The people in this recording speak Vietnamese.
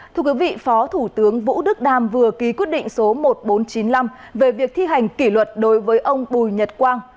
thưa quý vị phó thủ tướng vũ đức đam vừa ký quyết định số một nghìn bốn trăm chín mươi năm về việc thi hành kỷ luật đối với ông bùi nhật quang